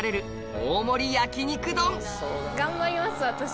頑張ります私。